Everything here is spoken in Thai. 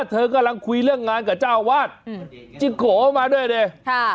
เธอกำลังคุยเรื่องงานกับเจ้าวาดจิโกมาด้วยดิค่ะ